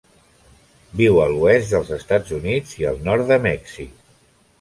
Viu a l'oest dels Estats Units i el nord de Mèxic.